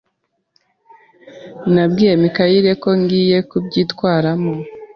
Nabwiye Mikali ko ngiye kubyitwaramo.